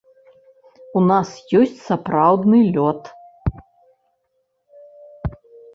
У нас ёсць сапраўдны лёд.